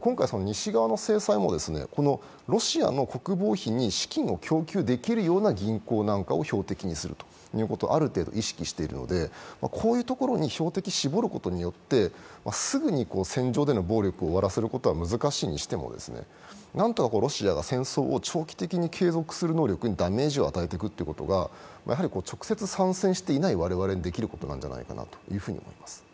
今回、西側の制裁もロシアの国防費に資金を供給できるような銀行なんかを標的にするということをある程度意識しているので、こういうところに標的を絞ることによってすぐに戦場での暴力を終わらせることは難しいにしても何とかロシアが戦争を長期的に継続する能力にダメージを与えていくということが直接参戦していない我々にできることなんじゃないかと思います。